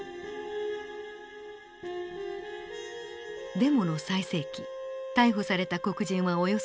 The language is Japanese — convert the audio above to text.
デモの最盛期逮捕された黒人はおよそ２，５００人。